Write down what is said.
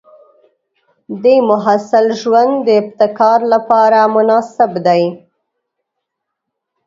د محصل ژوند د ابتکار لپاره مناسب دی.